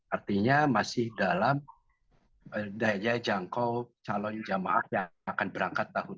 artinya masih dalam daya jangkau calon jemaah yang akan berangkat tahun ini